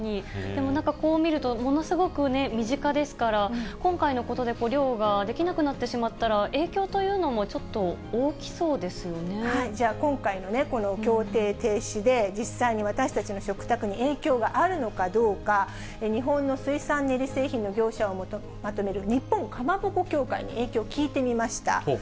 でもなんか、こう見ると、ものすごく身近ですから、今回のことで漁ができなくなってしまったら、影響というのもちょじゃあ、今回のこの協定停止で、実際に私たちの食卓に影響があるのかどうか、日本の水産練り製品の業者がまとめる日本かまぼこ協会に影響を聞いてみました。